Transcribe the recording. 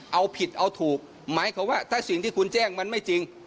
เอาผิดเอาถูกหมายความว่าถ้าสิ่งที่คุณแจ้งมันไม่จริง